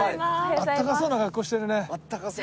あったかそうな格好してる！